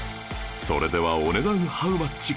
それではお値段ハウマッチ？